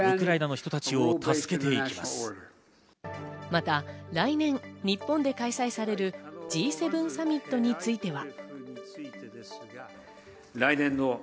また来年、日本で開催されるＧ７サミットについては。